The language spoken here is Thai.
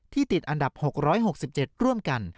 ติดอันดับ๖๖๗ร่วมกัน